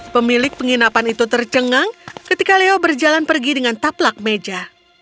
pemilik penginapan itu tercengang ketika leo berjalan pergi dengan taplak meja